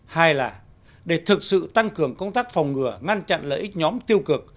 hai là để thực sự tăng cường công tác phòng ngừa ngăn chặn lợi ích nhóm tiêu cực